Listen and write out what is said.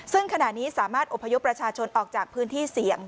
ซึ่งขณะนี้สามารถอพยพประชาชนออกจากพื้นที่เสี่ยง